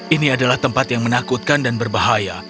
ini adalah tempat yang menakutkan dan berbahaya